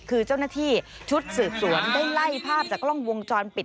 คือเจ้าหน้าที่ชุดสืบสวนได้ไล่ภาพจากกล้องวงจรปิด